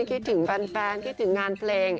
คิดถึงแฟนคิดถึงงานเพลง